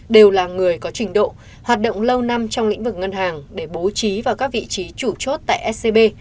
đều là người có trình độ hoạt động lâu năm trong lĩnh vực ngân hàng để bố trí vào các vị trí chủ chốt tại scb